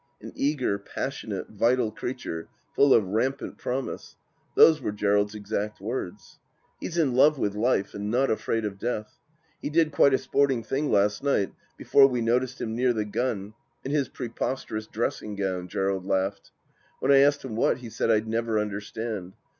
An eager, passionate, vital creature full of rampant promise — ^those were Gerald's exact words. "He's in love with life, and not afraid of death. He did quite a sporting thing last night, before we noticed him near the gun — in his preposterous dressing gown !" Gerald laughed. When I asked him what, he said I'd never understand.